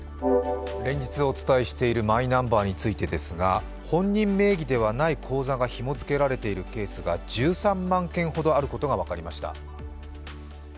連日お伝えしているマイナンバーについてですが、本人名義ではない口座がひも付けられているケースが１３万件ほどあることが分かりました。